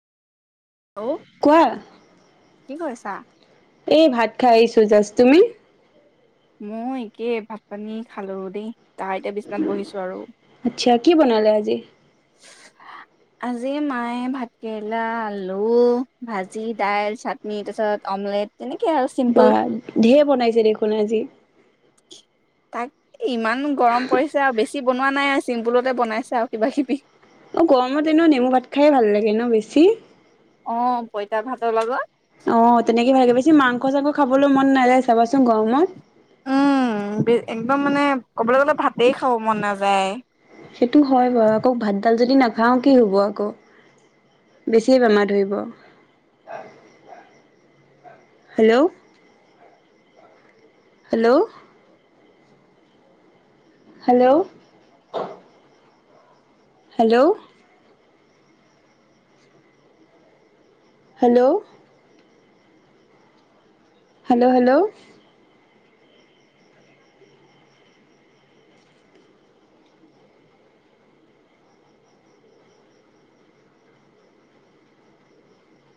অ কোৱা কি কৈ আছে চ এই ভাত খাই আহিছো জাষ্ট তুমি মই একেই ভাত পানী খালো দেই তাহ এতে বিচনাত বহিছো আৰু আচ্ছা কি বনালে আজি আজি মায়ে ভাতকেৰেলা আলু ভাজি দাইল চাটনি তাৰপিছত অমলেট তেনেকে আৰু বা চিম্পুল ঢেৰ বনাইছে দেখোন আজি তাক ইমান গৰম পৰিছে আৰু বেছি বনোৱা নাই আৰু চিম্পুলতে বনাইছে আৰু কিবা কিবি অ গৰমত এনে নেমু ভাত খাইে ভাল লাগে ন বেছি অ পঁইতা ভাতৰ লগত অ তেনেকে ভালকে বেছি মাংস চাংস খাবলৈ মন নাযায় চাবাচোন গৰমত কিবা মানে ক'বলৈ গ'লে ভাতেই খাব মন নাযায় সেইটো হয় বাৰু আকৌ ভাতডাল যদি নাখাও কি হ'ব আকৌ বেছিয়ে বেমাৰ ধৰিব hello hello hello hello hello hello hello